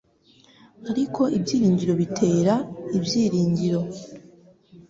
Ariko ibyiringiro bitera ibyiringiro.